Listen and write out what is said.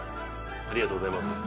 ありがとうございます。